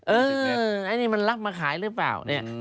เออไอ้นี่มันรับมาขายหรือเปล่า